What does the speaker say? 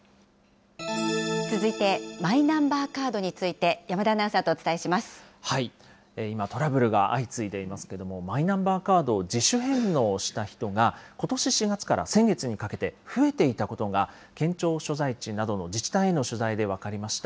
続いて、マイナンバーカードについて、今、トラブルが相次いでいますけれども、マイナンバーカードを自主返納した人が、ことし４月から先月にかけて、増えていたことが、県庁所在地などの自治体への取材で分かりました。